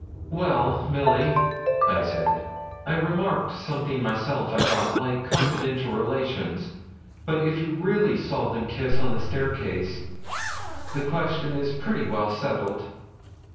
'Well, Milly,' I said, 'I remarked something myself, I thought, like confidential relations; but if you really saw them kiss on the staircase, the question is pretty well settled.'